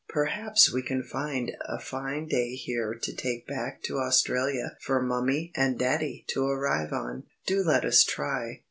Perhaps we can find a fine day here to take back to Australia for Mummie and Daddy to arrive on. Do let us try."